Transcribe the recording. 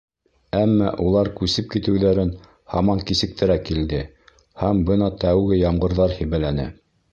Әммә улар күсеп китеүҙәрен һаман кисектерә килде, һәм бына тәүге ямғырҙар һибәләне.